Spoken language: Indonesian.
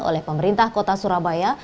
oleh pemerintah kota surabaya